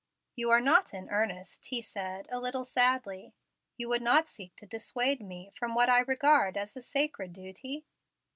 "You are not in earnest," he said, a little sadly. "You would not seek to dissuade me from what I regard as a sacred duty?"